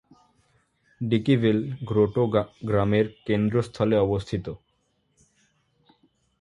ডিকিভিল grotto গ্রামের কেন্দ্রস্থলে অবস্থিত।